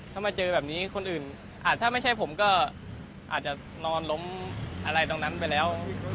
ถ้าเจอแบบนี้คนอื่นอาจจะนอนล้มอะไรตรงนั้นไปแล้ว